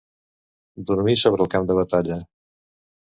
Dormir sobre el camp de batalla.